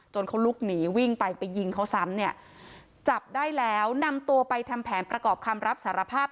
เขาลุกหนีวิ่งไปไปยิงเขาซ้ำเนี่ยจับได้แล้วนำตัวไปทำแผนประกอบคำรับสารภาพ